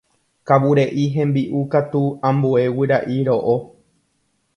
Kavureʼi hembiʼu katu ambue guyraʼi roʼo.